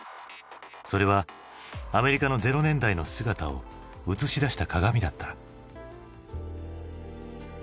それはアメリカのゼロ年代の姿を映し出した鏡だった。